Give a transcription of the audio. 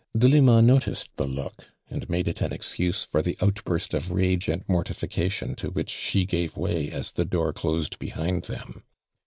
Delima noticed the look and made it an excuse for the outburst of rage and mortification to which she gave way as the door closed behind them.